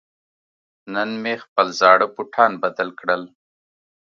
نن مې خپل زاړه بوټان بدل کړل.